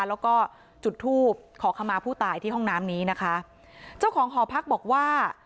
แล้วก็จุดทูบขอขมาผู้ตายที่ห้องน้ำนี้นะคะเจ้าของหอพักบอกว่า